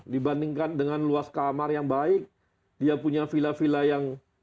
dibandingkan dengan luas kamar yang baik dia punya villa villa yang